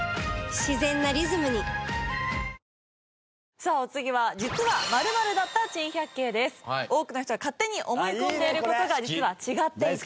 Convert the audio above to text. さあお次は多くの人が勝手に思い込んでいる事が実は違っていた。